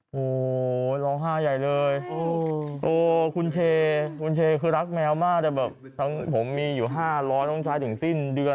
โอ้โหร้องไห้ใหญ่เลยโอ้คุณเชคุณเชคือรักแมวมากแต่แบบทั้งผมมีอยู่๕๐๐ต้องใช้ถึงสิ้นเดือน